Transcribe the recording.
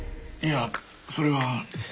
いやそれは。